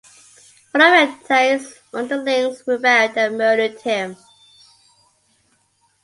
One of Atai's underlings rebelled and murdered him.